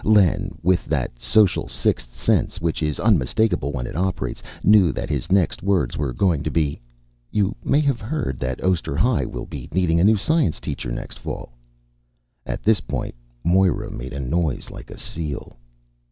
Len, with that social sixth sense which is unmistakable when it operates, knew that his next words were going to be: "You may have heard that Oster High will be needing a new science teacher next fall...." At this point Moira made a noise like a seal.